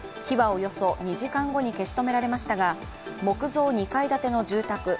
火はおよそ２時間後に消し止められましたが木造２階建ての住宅